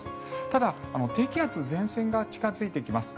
ただ、低気圧前線が近付いてきます。